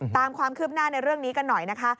ตามความคืบหน้าในเรื่องนี้กันหน่อยนะคะ